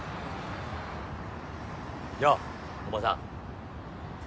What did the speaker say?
ようおばさん。